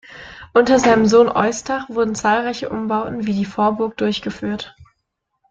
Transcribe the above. Unter seinem Sohn Eustach wurden zahlreiche Umbauten, wie die Vorburg, durchgeführt.